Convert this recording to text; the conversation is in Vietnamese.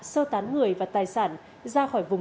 sơ tán người và tài sản ra khỏi vùng